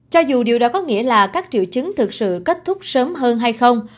cho dù điều đó có nghĩa là các triệu chứng thực sự kết thúc sớm hơn